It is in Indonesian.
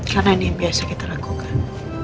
karena ini yang biasa kita lakukan